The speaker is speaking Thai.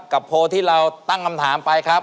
โพลที่เราตั้งคำถามไปครับ